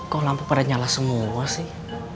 kok lampu pada nyala semua sih